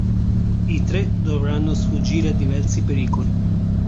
I tre dovranno sfuggire a diversi pericoli.